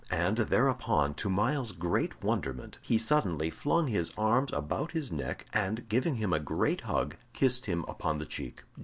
And thereupon, to Myles's great wonderment, he suddenly flung his arms about his neck, and, giving him a great hug, kissed him upon the cheek.